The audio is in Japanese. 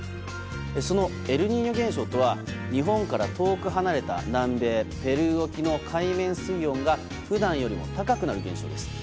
その、エルニーニョ現象とは日本から遠く離れた南米ペルー沖の海面水温が普段よりも高くなる現象です。